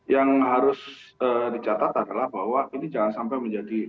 yang harus dicatat adalah bahwa ini jangan sampai menjadi